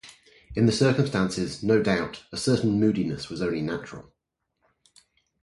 In the circumstances, no doubt, a certain moodiness was only natural.